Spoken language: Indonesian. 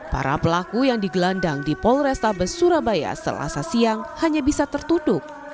para pelaku yang digelandang di polrestabes surabaya selasa siang hanya bisa tertutup